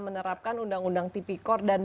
menerapkan undang undang tipikor dan